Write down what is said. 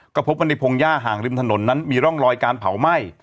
ก็พบว่าในพงหญ้าห่างริมถนนนั้นมีร่องรอยการเผาไหม้